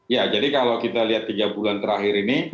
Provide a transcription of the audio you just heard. ya jadi kalau kita lihat tiga bulan terakhir ini